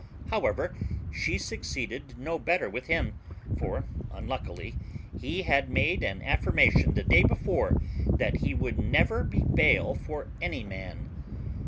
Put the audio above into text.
However, she succeeded no better with him, for unluckily he had made an affirmation the day before that he would never be bail for any man.